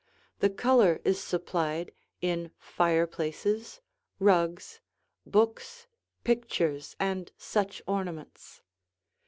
The color is supplied in fireplaces, rugs, books, pictures, and such ornaments.